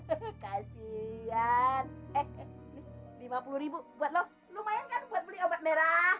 aisyah pulang saja